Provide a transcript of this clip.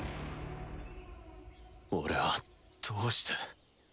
俺はどうして。